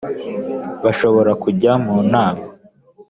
bashobora kujya nu nama